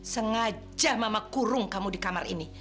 sengaja mama kurung kamu di kamar ini